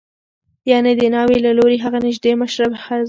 یعنې د ناوې له لوري هغه نژدې مشره ښځه